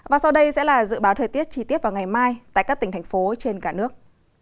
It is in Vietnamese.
và sau đây sẽ là dự báo thời tiết chi tiết vào ngày mai tại các tỉnh thành phố trên cả nước